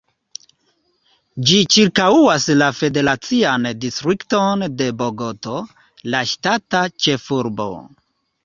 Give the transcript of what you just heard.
Ĝi ĉirkaŭas la federacian distrikton de Bogoto, la ŝtata ĉefurbo.